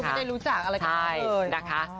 แล้วสุดมันได้รู้จักอะไรกันได้เลย